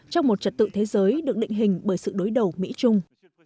trong một trật tự thế giới được định hình bởi sự đối đầu mỹ trung